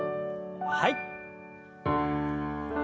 はい。